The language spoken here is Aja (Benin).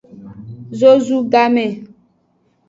Zozu game ke.